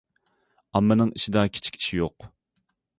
ئاممىنىڭ ئىشىدا كىچىك ئىش يوق.